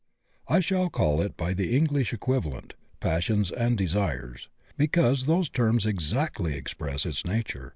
I shall call it by the Enghsh equivalent — ^passions and desires — ^because those terms exactly express its nature.